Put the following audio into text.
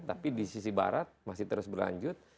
tapi di sisi barat masih terus berlanjut